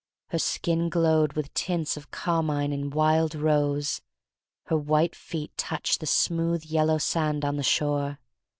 Her skin glowed with tints of carmine and wild rose. Her white feet touched the smooth, yellow sand on the shore.